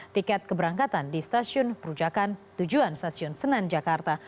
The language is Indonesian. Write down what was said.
tiket keberangkatan di stasiun perujakan tujuan stasiun senen jakarta